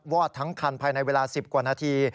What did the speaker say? อดทั้งคันภายในเวลา๑๐กว่านาที